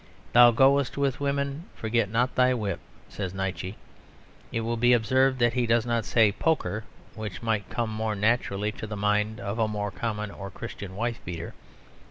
"Thou goest with women; forget not thy whip," said Nietzsche. It will be observed that he does not say "poker"; which might come more naturally to the mind of a more common or Christian wife beater.